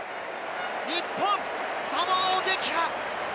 日本、サモアを撃破。